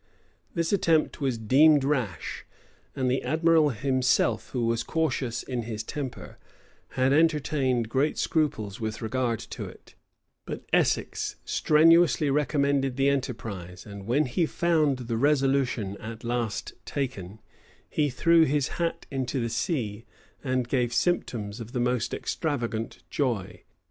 This attempt was deemed rash; and the admiral himself, who was cautious in his temper, had entertained great scruples with regard to it: but Essex strenuously recommended the enterprise; and when he found the resolution at last taken, he threw his hat into the sea, and gave symptoms of the most extravagant joy.